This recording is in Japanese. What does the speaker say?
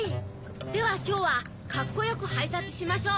ではきょうはカッコよくはいたつしましょう。